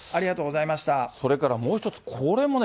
それからもう一つ、これもね、